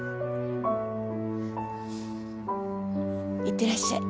いってらっしゃい。